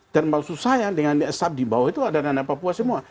termasuk saya dengan esap di bawah itu ada anak anak papua semua